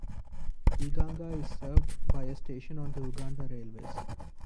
Iganga is served by a station on the Uganda Railways.